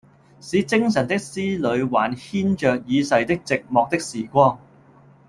使精神的絲縷還牽著已逝的寂寞的時光，